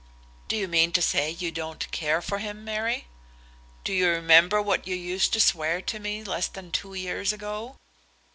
"Do you mean to say you don't care for him, Mary? Do you remember what you used to swear to me less than two years ago?"